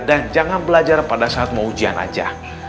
dan jangan belajar pada saat mau ujian aja